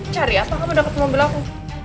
cari apa kamu dapat mobil aku